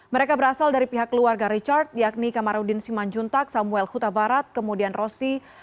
mereka berasal dari pihak keluarga richard yakni kamarudin simanjuntak samuel huta barat kemudian rosti